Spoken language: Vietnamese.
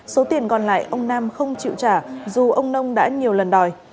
số tiền còn lại ông nam không chịu trả dù ông nông đã nhiều lần đòi